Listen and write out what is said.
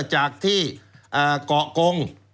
จากที่เกาะกง